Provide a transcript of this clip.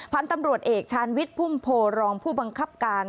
พันธุ์ตำรวจเอกชาญวิทย์พุ่มโพรองผู้บังคับการ